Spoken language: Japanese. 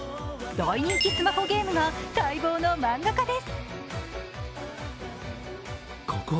大人気スマホゲームが待望のマンガ化です。